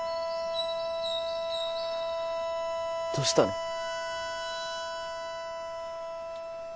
どうしたの？